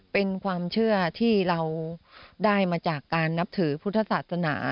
เป็นความเชื่อที่เราได้มาจากการนับถือพุทธศาสนา